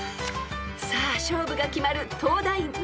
［さあ勝負が決まる東大ナゾトレ］